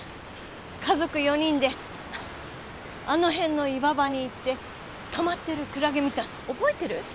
家族４人であの辺の岩場に行ってたまってるクラゲ見た覚えてる？